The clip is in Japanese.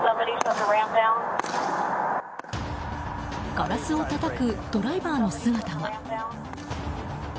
ガラスをたたくドライバーの姿が。